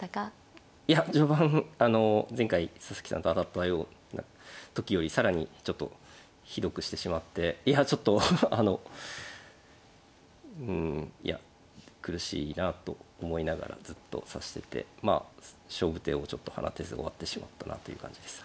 いや序盤あの前回佐々木さんと当たったような時より更にちょっとひどくしてしまっていやちょっとあのうんいや苦しいなと思いながらずっと指しててまあ勝負手をちょっと放てず終わってしまったなという感じです。